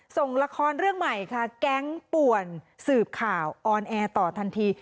ส่งละครเรื่องใหม่ค่ะแก๊งป่วนสืบข่าวออนแอร์ต่อทันที